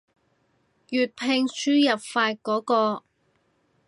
粵拼輸入法嗰個